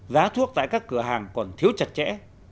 giá thuốc tại các cửa hàng còn thiếu chặt chẽ